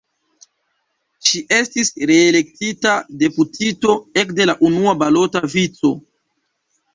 Ŝi estis reelektita deputito ekde la unua balota vico.